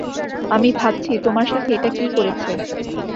আমি ভাবছি তোমার সাথে এটা কী করেছে।